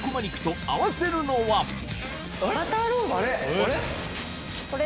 あれ？